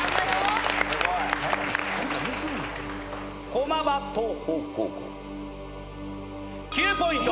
駒場東邦高校９ポイント。